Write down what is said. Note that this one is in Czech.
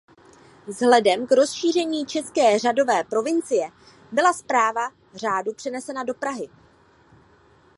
Vzhledem k rozšíření české řádové provincie byla správa řádu přenesena do Prahy.